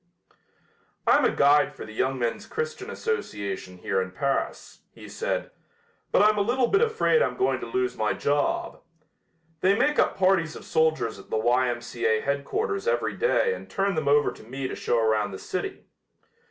"I'm a guide for the Young Men's Christian Association here in Paris," he said, "but I'm a little bit afraid I'm going to lose my job. They make up parties of soldiers at the Y. M. C. A. headquarters every day and turn them over to me to show around the city.